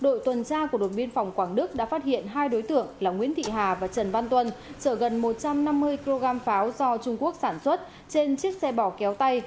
đội tuần tra của đồn biên phòng quảng đức đã phát hiện hai đối tượng là nguyễn thị hà và trần văn tuân chở gần một trăm năm mươi kg pháo do trung quốc sản xuất trên chiếc xe bỏ kéo tay